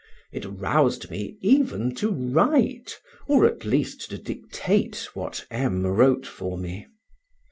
It roused me even to write, or at least to dictate what M. wrote for me.